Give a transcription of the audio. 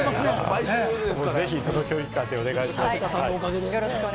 ぜひ、その距離感でお願いします。